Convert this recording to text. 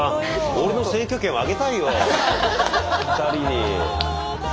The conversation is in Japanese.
俺の選挙権をあげたいよ２人に。